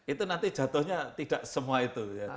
itu nanti jatuhnya tidak semua itu ya